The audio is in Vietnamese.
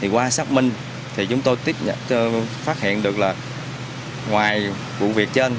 qua xác minh thì chúng tôi phát hiện được là ngoài vụ việc trên